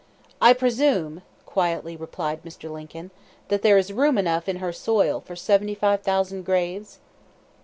"I presume," quietly replied Mr. Lincoln, "that there is room enough in her soil for seventy five thousand graves?"